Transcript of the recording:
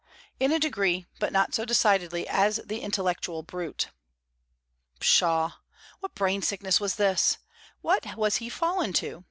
In a degree, but not so decidedly as the intellectual brute. Pshaw! what brain sickness was this! What was he fallen to!